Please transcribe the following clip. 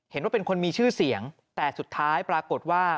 เห็นว่าเป็นคนมีชื่อเสียงแต่สุดท้ายปรากฏว่า